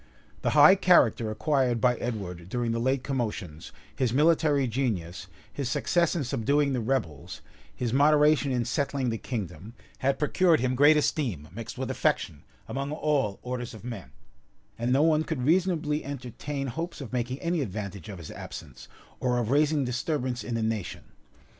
The high character acquired by Edward during the late commotions, his military genius, his success in subduing the rebels, his moderation in settling the kingdom, had procured him great esteem, mixed with affection, among all orders of men; and no one could reasonably entertain hopes of making any advantage of his absence, or of raising disturbance in the nation.